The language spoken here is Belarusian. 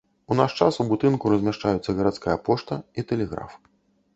У наш час у будынку размяшчаюцца гарадская пошта і тэлеграф.